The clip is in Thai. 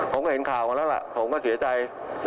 ผมก็เห็นข่าวมาแล้วล่ะผมก็เสียใจ